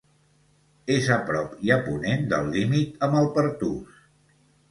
És a prop i a ponent del límit amb el Pertús.